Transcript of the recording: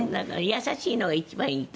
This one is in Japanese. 優しいのが一番いいと思う。